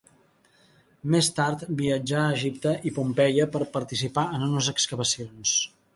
Més tard, viatjà a Egipte i Pompeia per participar en unes excavacions.